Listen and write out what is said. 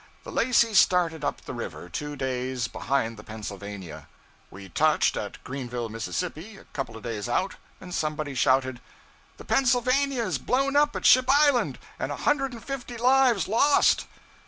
The 'Lacey' started up the river two days behind the 'Pennsylvania.' We touched at Greenville, Mississippi, a couple of days out, and somebody shouted 'The "Pennsylvania" is blown up at Ship Island, and a hundred and fifty lives lost!'